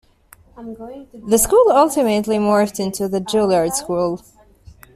The school ultimately morphed into the Juilliard School.